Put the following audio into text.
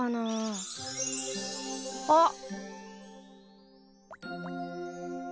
あっ。